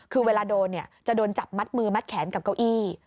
คือเวลาโดนจะโดนจับมัดมือมัดแขนกับเก้าอี้